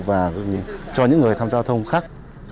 và cho những người tham gia giao thông khác